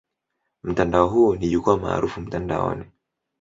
Mtandao huo ni jukwaa maarufu mtandaoni.